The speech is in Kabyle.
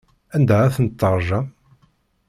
Anda ay tent-teṛjam?